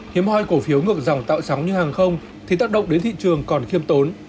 hiếm hoi cổ phiếu ngược dòng tạo sóng như hàng không thì tác động đến thị trường còn khiêm tốn